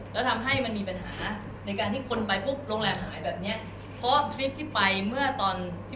และทำให้มีปัญหาในการที่คนไปแบบบุ๊บโรงแรมหายแบบนี้